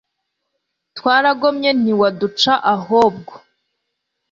twaragomye ntiwaduca, ahobwo